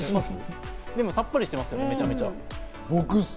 でもさっぱりしてます、めちゃくちゃ。